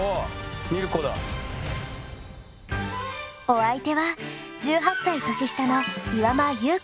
お相手は１８歳年下の岩間裕子さん。